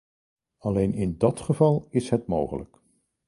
Alleen in dat geval is het mogelijk.